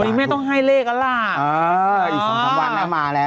ตรงนี้แม่ต้องให้เลขอะล่ะอ่าอีกสามสัปดาห์นะมาแล้ว